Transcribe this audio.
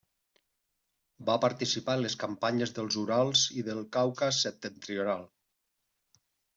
Va participar en les campanyes dels Urals i del Caucas Septentrional.